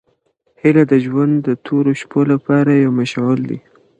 هیله د ژوند د تورو شپو لپاره یو مشعل دی.